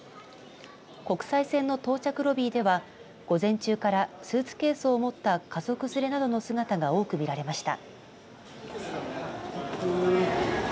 国際線の到着ロビーでは午前中からスーツケースを持った家族連れなどの姿が多く見られました。